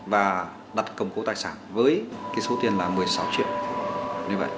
và đặt cầm cố tài sản với số tiền là một mươi sáu triệu